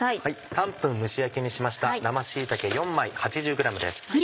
３分蒸し焼きにしました生椎茸４枚８０ｇです。